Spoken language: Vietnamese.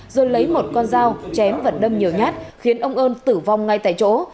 rồi lấy một con dao chém và đâm nhiều nhát khiến ông ơn tử vong ngay tại chỗ